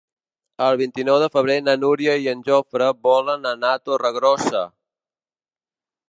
El vint-i-nou de febrer na Núria i en Jofre volen anar a Torregrossa.